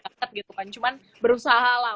banget gitu kan cuman berusaha lah